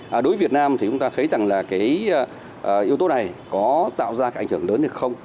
và đối với việt nam thì chúng ta thấy rằng là cái yếu tố này có tạo ra cái ảnh hưởng lớn hay không